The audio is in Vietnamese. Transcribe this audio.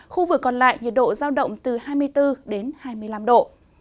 khu vực còn lại nhiệt độ giao động từ hai mươi bốn đến hai mươi năm độ